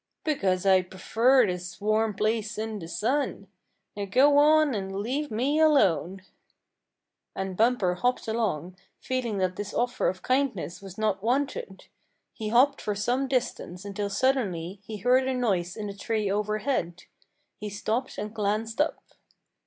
"Because I prefer this warm place in the sun. Now go on and leave me alone." And Bumper hopped along, feeling that his offer of kindness was not wanted. He hopped for some distance until suddenly he heard a noise in the tree overhead. He stopped and glanced up.